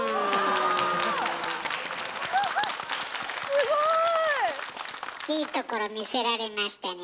すごい！いいところ見せられましたね